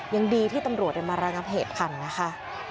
ยังดีที่ตำรวจได้มารังค์เผตภัณฑ์นะคะ